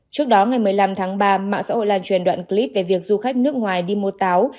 trước đó ngày một mươi năm tháng ba mạng xã hội lan truyền đoạn clip về việc du khách nước ngoài đi mua táo